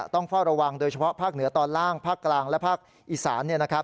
ต้องเฝ้าระวังโดยเฉพาะภาคเหนือตอนล่างภาคกลางและภาคอีสาน